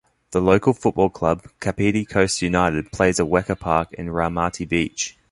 The local football club, Kapiti Coast United, plays at Weka Park in Raumati Beach.